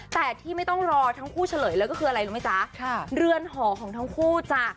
แต่ที่ไม่ต้องรอทั้งคู่เฉลยเลยก็คืออะไรรู้ไหมจ๊ะค่ะเรือนหอของทั้งคู่จ้ะ